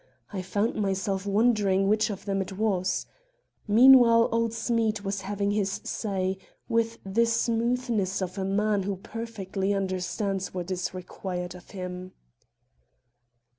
I found myself wondering which of them it was. Meantime old Smead was having his say, with the smoothness of a man who perfectly understands what is required of him.